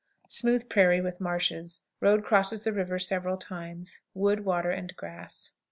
Smooth prairie, with marshes. Road crosses the river several times. Wood, water, and grass.